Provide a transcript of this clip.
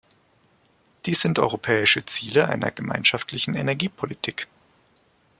Dies sind europäische Ziele einer gemeinschaftlichen Energiepolitik.